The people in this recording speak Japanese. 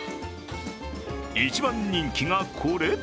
一番人気が、これ。